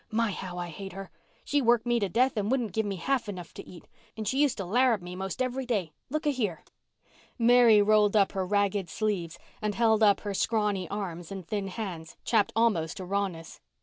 My, how I hate her! She worked me to death and wouldn't give me half enough to eat, and she used to larrup me 'most every day. Look a here." Mary rolled up her ragged sleeves, and held up her scrawny arms and thin hands, chapped almost to rawness.